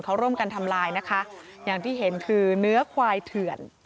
เขาร่วมกันทำลายนะคะอย่างที่เห็นคือเนื้อควายเถื่อน